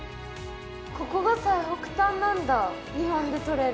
ここが最北端なんだ日本で取れる。